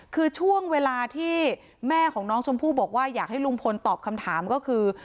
คือช่วงเวลาที่แม่ของน้องชมพู่บอกว่าอยากให้ลุงพลตอบคำถามก็คือ